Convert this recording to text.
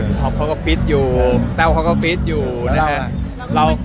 พี่ท็อปเขาก็ฟิตอยู่แต่วเขาก็ต้องฟิตที่กัน